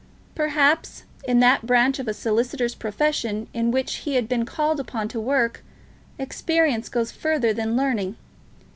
Perhaps in that branch of a solicitor's profession in which he had been called upon to work, experience goes further than learning.